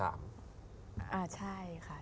อ่าใช่ค่ะ